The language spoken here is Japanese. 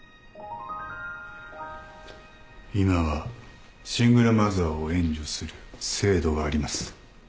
今はシングルマザーを援助する制度があります。